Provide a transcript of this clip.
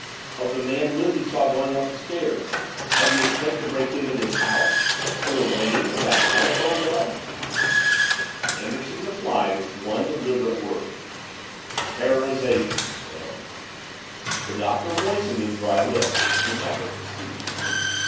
"Of the man Lizzie saw going up the stairs, of the attempt to break into this house of the ringing of that telephone bell?" Anderson replied with one deliberate word. "Terrorization," he said. The Doctor moistened his dry lips in an effort to speak.